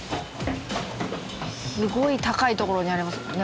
すごい高い所にありますもんね